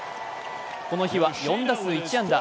この日は４打数１安打。